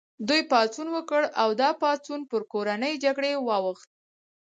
دوی پاڅون وکړ او دا پاڅون پر کورنۍ جګړې واوښت.